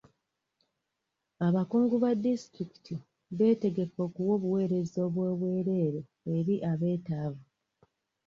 Abakungu ba disitulikiti beetegefu okuwa obuweereza obw'obwerere eri abeetaavu.